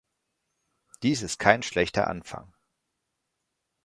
Dies ist kein schlechter Anfang.